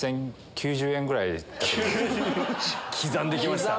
９０⁉刻んできました。